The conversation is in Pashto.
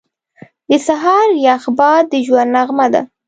• د سهار یخ باد د ژوند نغمه ده.